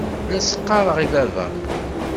La as-ɣɣareɣ i baba.